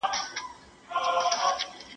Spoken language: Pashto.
¬ وخت لکه سره زر.